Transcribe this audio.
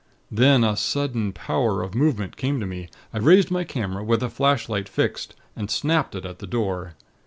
_ Then a sudden power of movement came to me. I raised my camera, with the flashlight fixed, and snapped it at the door.